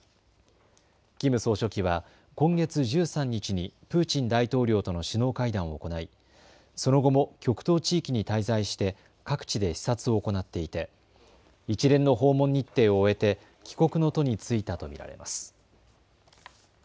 キム総書記は今月１３日にプーチン大統領との首脳会談を行い、その後も極東地域に滞在して各地で視察を行っていて一連の訪問日程を終えて帰国の途に就いたと見られます。